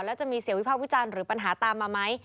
แล้วจะมีเสียงวิพากษ์วิจารณ์หรือปัญหาตามมาไหม